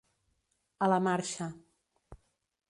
A la marxa.